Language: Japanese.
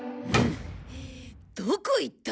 どこ行った！？